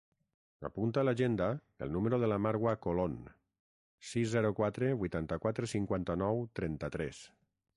Apunta a l'agenda el número de la Marwa Colon: sis, zero, quatre, vuitanta-quatre, cinquanta-nou, trenta-tres.